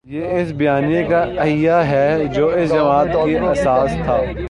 یہ اس بیانیے کا احیا ہے جو اس جماعت کی اساس تھا۔